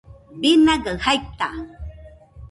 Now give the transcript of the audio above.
binagai jaita